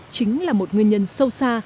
chính là một nguyên nhân sâu xa